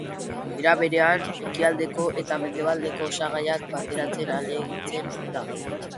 Era berean, ekialdeko eta mendebaldeko osagaiak bateratzen ahalegintzen da.